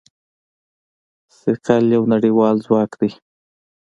ثقل یو نړیوال ځواک دی.